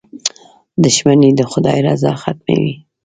• دښمني د خدای رضا ختموي.